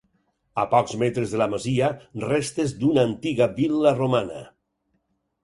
A pocs metres de la masia restes d'una antiga vil·la romana.